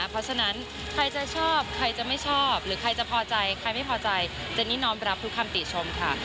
เพราะฉะนั้นใครจะชอบใครจะไม่ชอบหรือใครจะพอใจใครไม่พอใจเจนนี่น้อมรับทุกคำติชมค่ะ